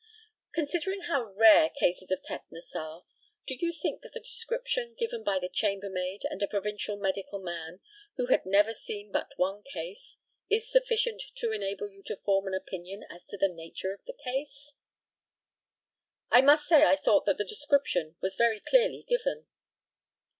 Considering how rare cases of tetanus are, do you think that the description given by a chambermaid and a provincial medical man, who had never seen but one case, is sufficient to enable you to form an opinion as to the nature of the case? I must say I thought that the description was very clearly given.